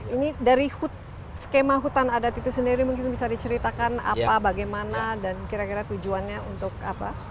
ini dari skema hutan adat itu sendiri mungkin bisa diceritakan apa bagaimana dan kira kira tujuannya untuk apa